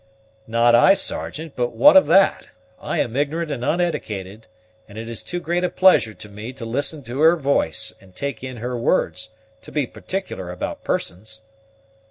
"Not I, Sergeant; but what of that? I am ignorant and unedicated, and it is too great a pleasure to me to listen to her voice, and take in her words, to be particular about persons."